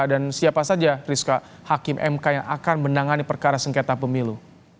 dan siapa saja rizka hakim mk yang akan menangani perkara sengketa pemilu